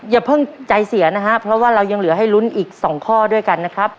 อย่าเพิ่งใจเสียนะฮะเพราะว่าเรายังเหลือให้ลุ้นอีก๒ข้อด้วยกันนะครับ